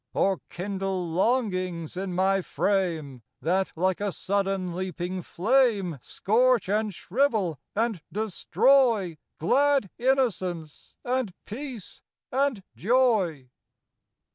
" Or kindle longings in my frame That like a sudden leaping flame, Scorch and shrivel and destroy Glad Innocence and Peace and Joy. 5 6 A REMONSTRANCE TO FANCY.